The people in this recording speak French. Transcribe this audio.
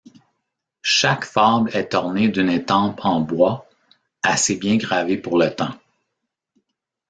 Chaque fable est ornée d'une estampe en bois, assez bien gravée pour le temps.